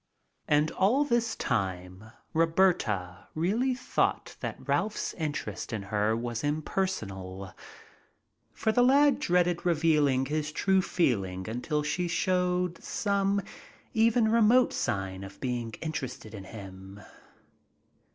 And all this time Roberta really thought that Ralph's interest in her was impersonal, for the lad dreaded revealing his true feeling until she showed some even remote sign of being interested in him.